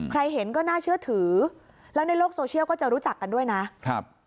ใครเห็นก็น่าเชื่อถือแล้วในโลกโซเชียลก็จะรู้จักกันด้วยนะครับ